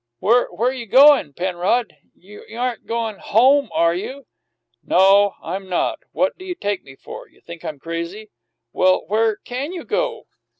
"Where where you goin', Penrod? You aren't goin' home, are you?" "No; I'm not! What do you take me for? You think I'm crazy?" "Well, where can you go?"